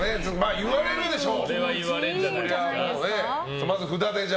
言われるでしょう。